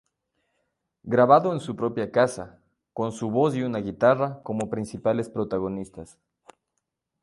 Grabado en su propia casa, con su voz y una guitarra como principales protagonistas.